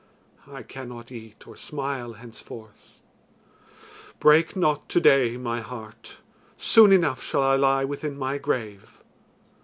I cannot eat or smile henceforth. Break not to day, my heart: soon enough shall I lie within my grave.